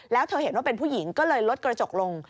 แล้วเธอเห็นว่าเป็นผู้หญิงก็เลยลดกระจกลง